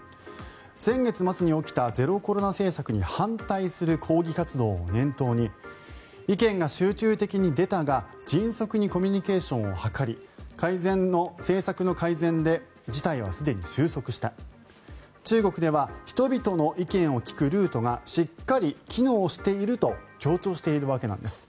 先月末に起きたゼロコロナ政策に反対する抗議活動を念頭に意見が集中的に出たが迅速にコミュニケーションを図り政策の改善で事態はすでに収束した中国では人々の意見を聞くルートがしっかり機能していると強調しているわけです。